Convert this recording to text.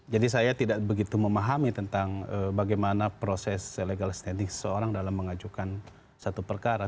jadi saya tidak begitu memahami tentang bagaimana proses legal standing seseorang dalam mengajukan satu perkara